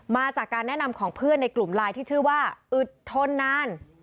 มาจากการแนะนำของเพื่อนในกลุ่มไลน์ที่ชื่อว่าอึดทนนาน